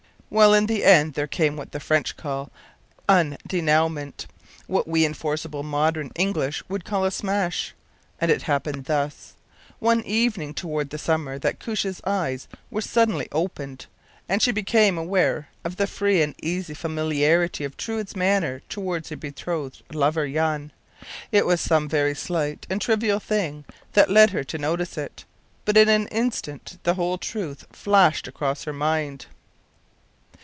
Well, in the end there came what the French call un denouement, what we in forcible modern English would call a smash, and it happened thus. It was one evening toward the summer that Koosje’s eyes were suddenly opened, and she became aware of the free and easy familiarity of Truide’s manner toward her betrothed lover, Jan. It was some very slight and trivial thing that led her to notice it, but in an instant the whole truth flashed across her mind.